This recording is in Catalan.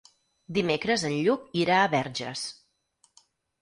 Dimecres en Lluc irà a Verges.